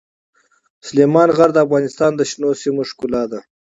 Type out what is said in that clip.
سلیمان غر د افغانستان د شنو سیمو ښکلا ده.